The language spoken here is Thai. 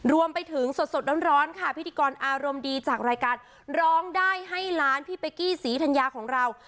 รวมไปถึงสดร้อนค่ะพิธีกรอารมณ์ดีจากรายการร้องได้ให้ล้านพี่เป๊กกี้ศรีธัญญาของเรา